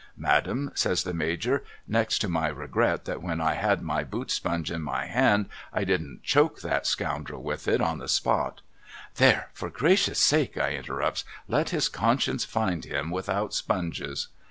' Madam,' says the Major, ' next to my regret that when I had my boot sponge in my hand, I didn't choke that scoundrel with it — on the spot ——'* There ! For Gracious' sake,' I interrupts, ' let his conscience find him without sponges.'